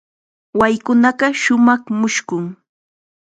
Waykunaqa shumaq mushkun.